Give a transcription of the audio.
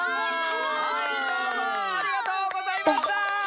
はいどうもありがとうございました！